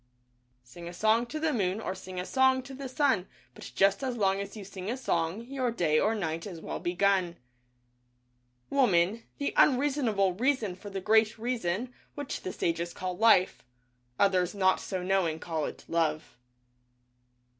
Sing a song to the moon Or sing a song to the sun But just as long as you sing a song Your day or night is well begun. Woman, the unreasonable Reason for the Great Reason, which the sages call Life — Others not so knowing call it Love.